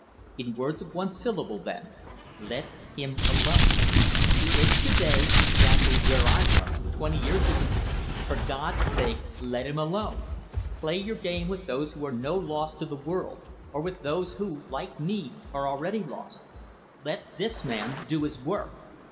"In words of one syllable then let him alone. He is, to day, exactly where I was twenty years ago. For God's sake, let him alone. Play your game with those who are no loss to the world; or with those who, like me, are already lost. Let this man do his work.